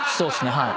はい。